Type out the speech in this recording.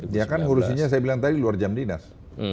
dia kan ngurusinnya saya bilang tadi luar jam dinas